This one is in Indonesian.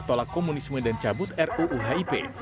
tolak komunisme dan cabut ruu hip